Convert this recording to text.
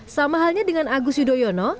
sama halnya dengan agus yudhoyono